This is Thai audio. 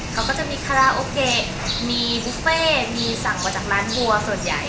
เขาก็จะมีคาราโอเกะมีบุฟเฟ่มีสั่งมาจากร้านวัวส่วนใหญ่